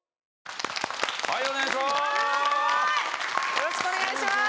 よろしくお願いします！